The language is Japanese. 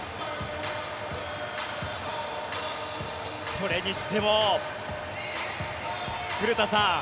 それにしても古田さん